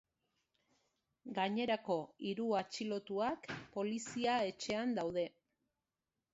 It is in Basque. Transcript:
Gainerako hiru atxilotuak poliza-etxean daude.